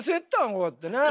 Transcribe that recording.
こうやってねえ？